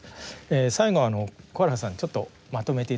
最後小原さんちょっとまとめていただけますか。